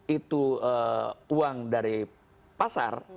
itu uang dari pasar